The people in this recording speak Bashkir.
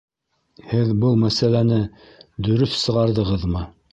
Һеҙ был мәсьәләне дөрөҫ сығарҙығыҙмы?